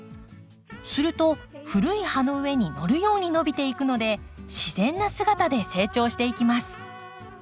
すると古い葉の上にのるように伸びていくので自然な姿で成長していきます。